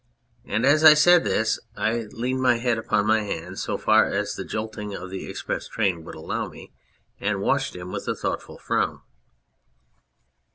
And as I said this I leaned my head upon my hand so far as the jolting of the express train would allow me, and watched him with a thoughtful frown.